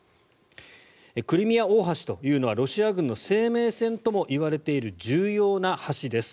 クリミア大橋というのはロシア軍の生命線ともいわれている重要な橋です。